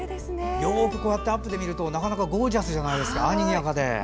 よくアップで見るとなかなかゴージャスじゃないですか。